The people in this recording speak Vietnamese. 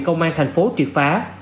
vì công an thành phố triệt phá